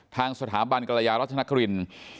ทางสถาบันกรยารัชนครินทร์